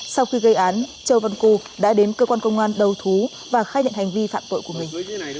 sau khi gây án châu văn cư đã đến cơ quan công an đầu thú và khai nhận hành vi phạm tội của mình